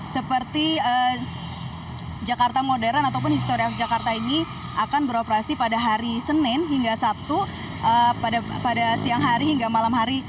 seperti jakarta modern ataupun history of jakarta ini akan beroperasi pada hari senin hingga sabtu pada siang hari hingga malam hari